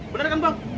bener kan bang